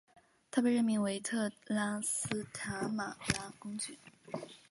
他被任命为特拉斯塔马拉公爵。